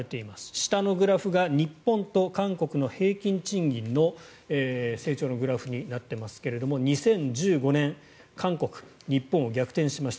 下のグラフが日本と韓国の平均賃金の成長のグラフになっていますが２０１５年、韓国日本を逆転しました。